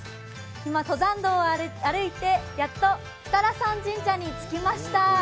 今、登山道を歩いてやっと、二荒山神社に着きました。